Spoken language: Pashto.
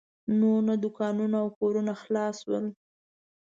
نور نو دوکانونه او کورونه خلاص شول.